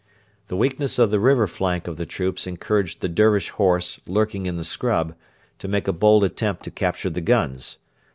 The weakness of the river flank of the troops encouraged the Dervish horse lurking in the scrub to make a bold attempt to capture the guns.